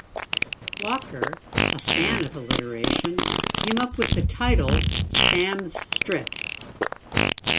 Walker, a fan of alliteration, came up with the title "Sam's Strip".